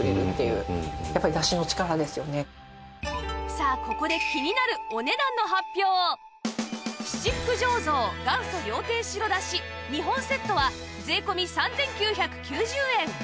さあここで七福醸造元祖料亭白だし２本セットは税込３９９０円